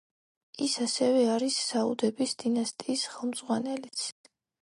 ის ასევე არის საუდების დინასტიის ხელმძღვანელიც.